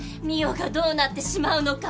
澪がどうなってしまうのか。